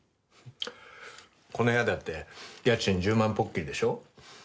この部屋だって家賃１０万ポッキリでしょ？